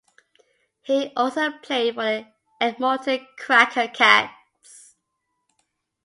He also played for the Edmonton Cracker Cats.